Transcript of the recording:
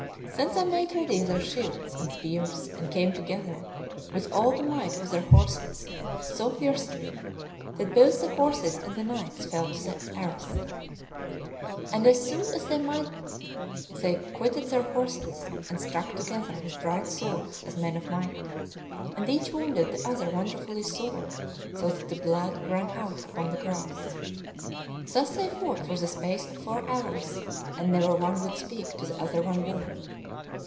Then they made ready their shields and spears, and came together with all the might of their horses, so fiercely, that both the horses and the knights fell to the earth. And as soon as they might they quitted their horses, and struck together with bright swords as men of might, and each wounded the other wonderfully sore, so that the blood ran out upon the grass. Thus they fought for the space of four hours and never one would speak to the other one word.